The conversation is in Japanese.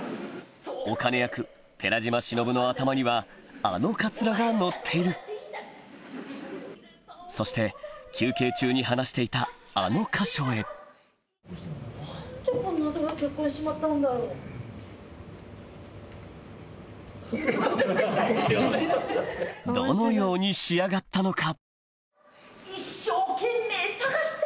お兼役寺島しのぶの頭にはあのカツラがのっているそして休憩中に話していたあの箇所へどのように仕上がったのか？